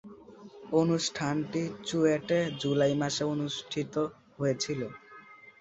অনুষ্ঠানটি চুয়েটে জুলাই মাসে অনুষ্ঠিত হয়েছিলো।